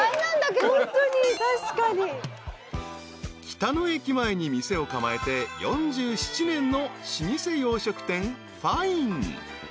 ［北野駅前に店を構えて４７年の老舗洋食店］